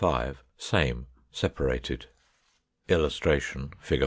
Same separated.] [Illustration: Fig.